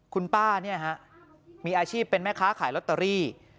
คุณป้าเนี่ยฮะมีอาชีพเป็นแม่ค้าขายลอตเตอรี่